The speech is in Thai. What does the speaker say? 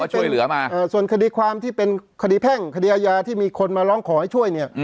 ช่วยเหลือมาส่วนคดีความที่เป็นคดีแพ่งคดีอาญาที่มีคนมาร้องขอให้ช่วยเนี่ย